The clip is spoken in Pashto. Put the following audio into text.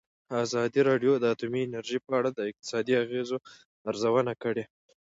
ازادي راډیو د اټومي انرژي په اړه د اقتصادي اغېزو ارزونه کړې.